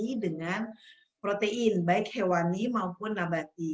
di dengan protein baik hewani maupun nabati